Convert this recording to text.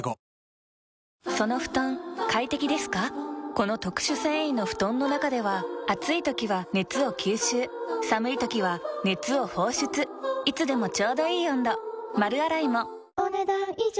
この特殊繊維の布団の中では暑い時は熱を吸収寒い時は熱を放出いつでもちょうどいい温度丸洗いもお、ねだん以上。